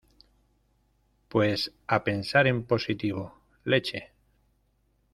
pues a pensar en positivo. leche .